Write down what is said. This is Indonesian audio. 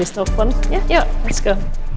ya yuk let's go